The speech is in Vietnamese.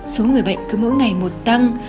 số người bệnh cứ mỗi ngày một tăng